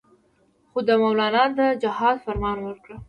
خو ده مولنا ته د جهاد فرمان ورکړ.